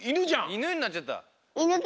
いぬになっちゃった。